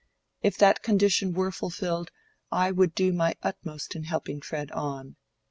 If that condition were fulfilled I would do my utmost in helping Fred on.